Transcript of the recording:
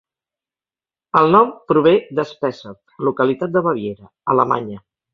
El nom prové de Spessart, localitat de Baviera, Alemanya.